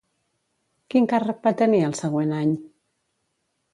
Quin càrrec va tenir el següent any?